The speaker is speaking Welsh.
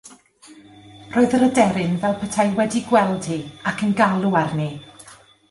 Roedd yr aderyn fel petai wedi'i gweld hi ac yn galw arni.